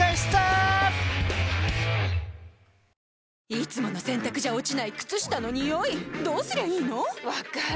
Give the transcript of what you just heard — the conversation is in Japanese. いつもの洗たくじゃ落ちない靴下のニオイどうすりゃいいの⁉分かる。